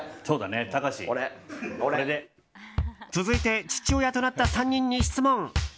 続いて父親となった３人に質問。